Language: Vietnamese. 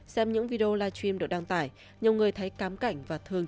xem những video live stream được đăng tải nhiều người thấy cám cảnh và thường